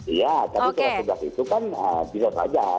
iya tapi surat tugas itu kan bisa saja